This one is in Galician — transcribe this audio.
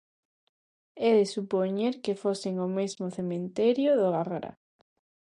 É de supoñer que fosen ao mesmo cemiterio do Agra.